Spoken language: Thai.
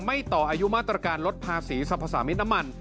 ต่ออายุมาตรการลดภาษีสรรพสามิตรน้ำมัน